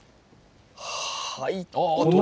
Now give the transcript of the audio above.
はい。